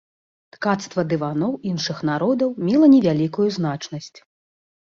Ткацтва дываноў іншых народаў мела невялікую значнасць.